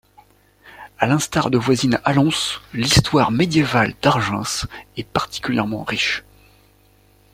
À l'instar de voisine Allons, l'histoire médiévale d'Argens est particulièrement riche.